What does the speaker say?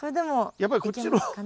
やっぱりこっちの。